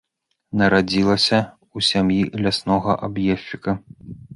Нарадзілася ў сям'і ляснога аб'ездчыка.